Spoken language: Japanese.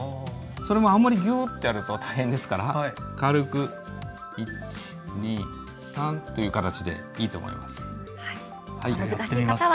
それもあまりギューッてやると大変ですから軽く、１、２、３という形でいいと思います。